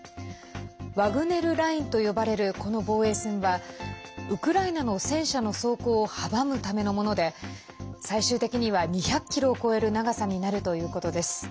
ワグネル・ラインと呼ばれるこの防衛線はウクライナの戦車の走行を阻むためのもので最終的には２００ｋｍを超える長さになるということです。